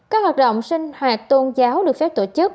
các hoạt động sinh hoạt tôn giáo được phép tổ chức